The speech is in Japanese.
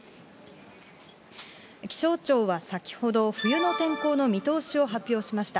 気象庁は先ほど、冬の天候の見通しを発表しました。